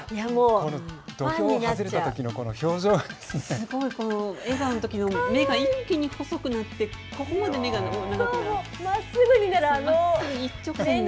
土俵を外れたときの笑顔のときの目が一気に細くなってここまで目が長くなる。